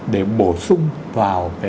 để bổ sung vào phần